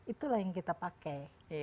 itulah yang kita pakai